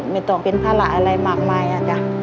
ไม่ต้องเป็นพละอะไรมากมาย